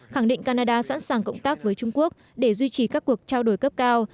khẳng định canada sẵn sàng cộng tác với trung quốc để duy trì các cuộc trao đổi cấp cao